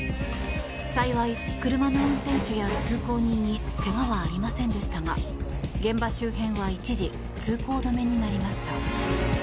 幸い、車の運転手や通行人にけがはありませんでしたが現場周辺は一時、通行止めになりました。